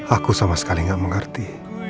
aku sama sekali nggak mengerti